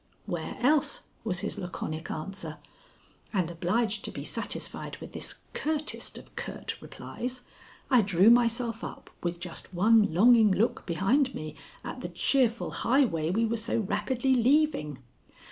"Where else?" was his laconic answer; and, obliged to be satisfied with this curtest of curt replies, I drew myself up with just one longing look behind me at the cheerful highway we were so rapidly leaving.